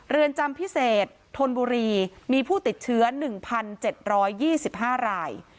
เรือนจำพิเศษธนบุรีมีผู้ติดเชื้อ๑๗๒๕ราย